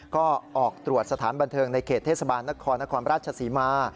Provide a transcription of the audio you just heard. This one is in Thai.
ก็ออกตรวจสถานบันเทิงในเขตเทศบาลนครนครราชศรีมา